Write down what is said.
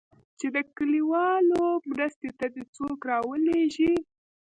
چې د كليوالو مرستې ته دې څوك راولېږي.